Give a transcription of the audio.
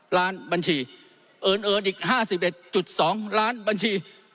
ล้านบัญชีเอิญเอิญอีกห้าสิบเอ็ดจุดสองล้านบัญชี